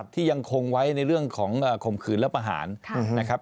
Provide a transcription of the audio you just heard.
ที่ยังคงไว้ในเรื่องของข่มขืนและประหารนะครับ